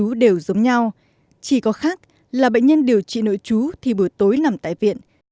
bệnh nhân nội trú đều giống nhau chỉ có khác là bệnh nhân điều trị nội trú thì bữa tối nằm tại viện